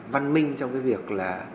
văn minh trong cái việc là